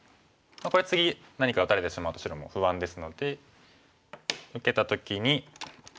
これ次何か打たれてしまうと白も不安ですので受けた時に。